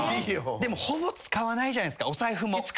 でもほぼ使わないじゃないすかお財布も。